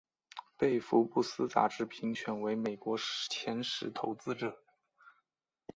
被福布斯杂志评选为美国前十投资者。